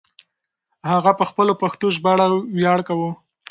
هغه په خپله پښتو ژبه ویاړ کاوه.